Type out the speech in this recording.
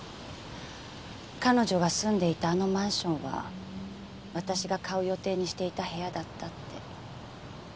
彼女が住んでいたあのマンションは私が買う予定にしていた部屋だったって。